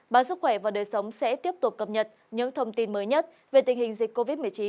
báo sức khỏe và đời sống sẽ tiếp tục cập nhật những thông tin mới nhất về tình hình dịch covid một mươi chín